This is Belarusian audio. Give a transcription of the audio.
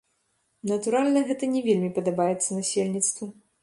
Натуральна, гэта не вельмі падабаецца насельніцтву.